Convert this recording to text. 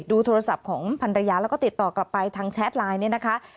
ดูโทรศัพท์ของภรรยาแล้วก็ติดต่อกลับไปทางแชทไลน์